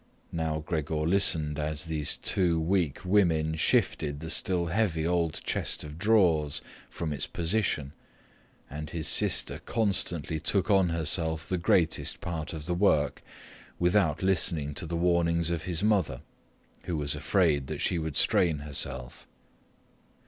Now Gregor listened as these two weak women shifted the still heavy old chest of drawers from its position, and as his sister constantly took on herself the greater part of the work, without listening to the warnings of his mother, who was afraid that she would strain herself.